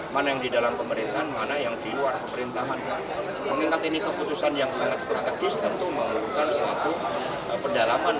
mengingat ini keputusan yang sangat strategis tentu memerlukan suatu perdalaman